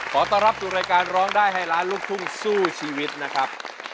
ขอต้อนรับสู่รายการร้องได้ให้ล้านลูกทุ่งสู้ชีวิตนะครับ